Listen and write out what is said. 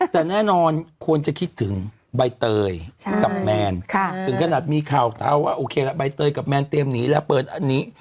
แต่แน่นอนควรจะคิดถึงใบเตยกับแมนถึงขนาดมีข่าวเท้าว่าโอเคละใบเตยกับแมนเตรียมหนีแล้วเปิดอันนี้